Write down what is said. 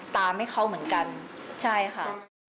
ตามให้เขาเหมือนกันใช่ค่ะ